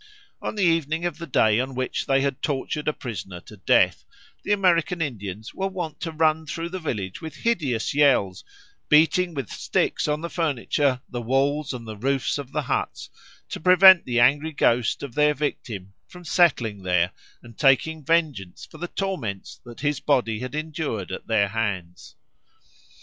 On the evening of the day on which they had tortured a prisoner to death, the American Indians were wont to run through the village with hideous yells, beating with sticks on the furniture, the walls, and the roofs of the huts to prevent the angry ghost of their victim from settling there and taking vengeance for the torments that his body had endured at their hands.